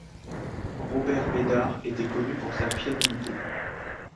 Robert Bédard était connu pour sa fiabilité.